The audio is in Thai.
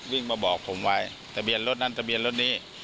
วิ่งมาบอกผมไว้ทะเบียนรถนั้นทะเบียนรถนี้